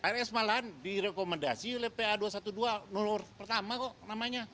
rs malahan direkomendasi oleh pa dua ratus dua belas nolower pertama kok namanya